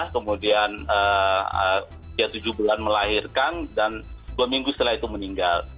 kemudian dia tujuh bulan melahirkan dan dua minggu setelah itu meninggal